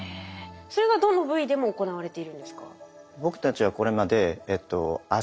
それがどの部位でも行われているんですか？